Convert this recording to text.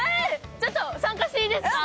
ちょっと参加していいですか？